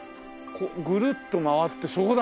ぐるっと回ってそこだ。